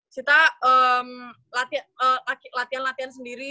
kita latihan latihan sendiri